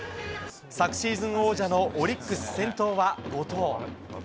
昨シーズン王者のオリックス、先頭は後藤。